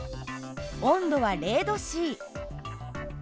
温度は０℃。